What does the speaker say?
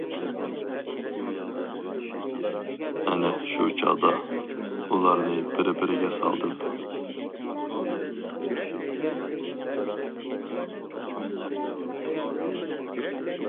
ئەنە شۇ چاغدا، ئۇلارنى بىر-بىرىگە سالدىم.